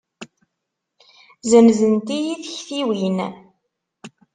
Zenzent-iyi tektiwin.